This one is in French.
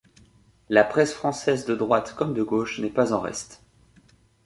La presse française de droite comme de gauche n'est pas en reste.